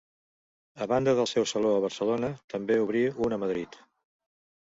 A banda del seu saló a Barcelona, també obrí un a Madrid.